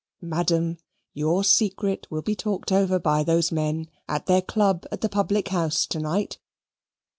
Madam, your secret will be talked over by those men at their club at the public house to night.